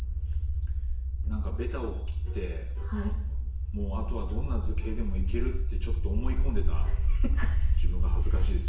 なんかベタを切ってもう後はどんな図形でもいけるってちょっと思い込んでた自分が恥ずかしいです。